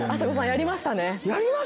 やりましたね。